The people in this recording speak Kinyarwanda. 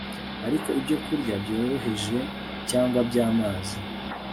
Ariko ibyokurya byoroheje cyangwa byamazi